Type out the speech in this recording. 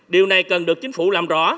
điều này cần được chính phủ làm rõ